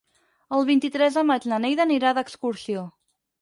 El vint-i-tres de maig na Neida anirà d'excursió.